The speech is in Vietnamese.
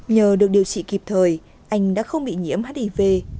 nhờ được điều trị kịp thời anh đã không bị nhiễm hiv